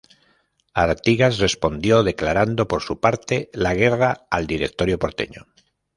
Artigas respondió declarando por su parte la guerra al "directorio porteño".